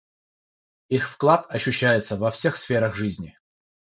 Их вклад ощущается во всех сферах жизни.